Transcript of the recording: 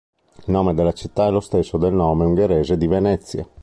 Il nome della città è lo stesso del nome ungherese di Venezia.